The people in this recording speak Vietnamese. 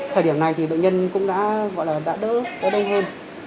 thời điểm này thì bệnh nhân cũng đã gọi là đã đỡ đã đông hơn